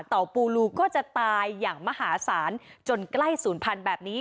ปูลูก็จะตายอย่างมหาศาลจนใกล้ศูนย์พันธุ์แบบนี้